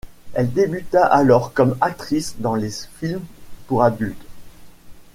Elle débuta alors comme actrice dans les films pour adultes.